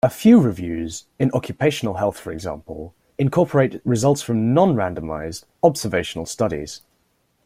A few reviews, in occupational health for example, incorporate results from non-randomized, observational studies.